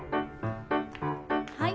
はい。